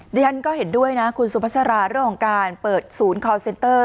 ดิฉันก็เห็นด้วยนะคุณสุภาษาเรื่องของการเปิดศูนย์คอลเซนเตอร์